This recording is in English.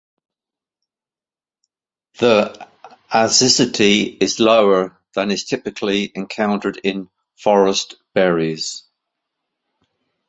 The acidity is lower than is typically encountered in forest berries.